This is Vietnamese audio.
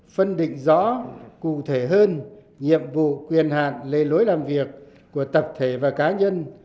phân định rõ cụ thể hơn nhiệm vụ quyền hạn lề lối làm việc của tập thể và cá nhân